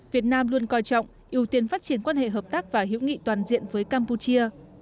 việt nam luôn coi trọng ưu tiên phát triển quan hệ hợp tác và hữu nghị toàn diện với campuchia